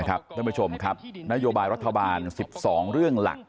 ด้วยมันไปชมครับนโยบายรัฐบาล๑๒เรื่องหลัก